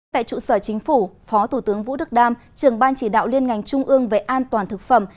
tại trụ sở chính phủ phó thủ tướng vũ đức đam trưởng ban chỉ đạo liên ngành trung ương về an toàn thực phẩm